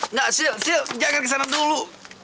nggak sil sil jangan kesana dulu